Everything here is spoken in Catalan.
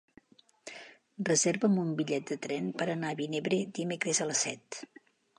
Reserva'm un bitllet de tren per anar a Vinebre dimecres a les set.